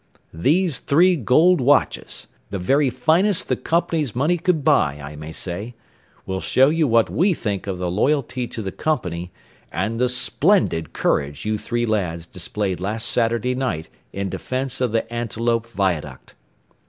These three gold watches the very finest the company's money could buy, I may say will show you what we think of the loyalty to the company, and the splendid courage you three lads displayed last Saturday night in defense of the Antelope viaduct.